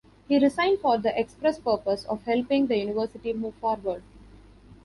He resigned for the express purpose of helping the university move forward.